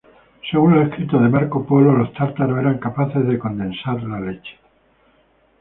Según los escritos de Marco Polo, los tártaros eran capaces de condensar la leche.